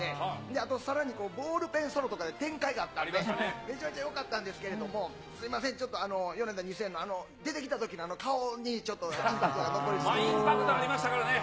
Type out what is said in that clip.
あとさらにボールペンソロとかで、展開があったので、非常によかったんですけども、すみません、ちょっとヨネダ２０００の出てきたときの、あの顔にちょっと、インパクトありましたからね。